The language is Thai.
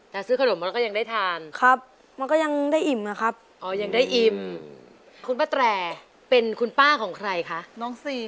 แต่ซื้อหนงแล้วก็ยังได้ทาน